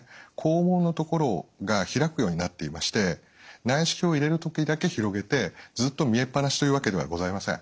肛門の所が開くようになっていまして内視鏡を入れる時だけ広げてずっと見えっぱなしというわけではございません。